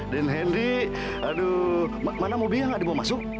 dan henry aduh mana mobilnya nggak dibawa masuk